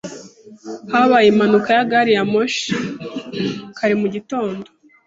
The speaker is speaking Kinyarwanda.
Habaye impanuka ya gari ya moshi kare mugitondo.